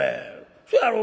せやろ？